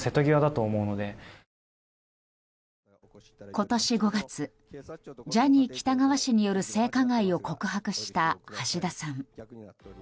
今年５月ジャニー喜多川氏による性加害を告白した橋田さん。